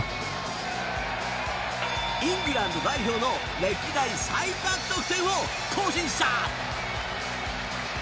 イングランド代表の歴代最多得点を更新した！